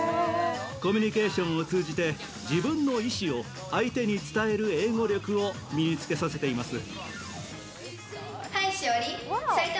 コミュニケーションを通じて、自分の意思を相手に伝える英語力を身につけさせています。